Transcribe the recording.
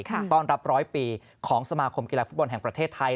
ต้อนรับร้อยปีของสมาคมกีฬาฟุตบอลแห่งประเทศไทย